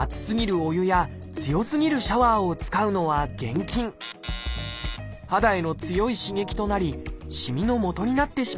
肌への強い刺激となりしみのもとになってしまいます